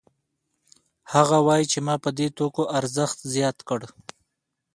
هغه وايي چې ما په دې توکو ارزښت زیات کړ